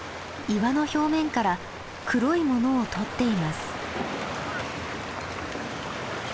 岩の表面から黒いものを採っています。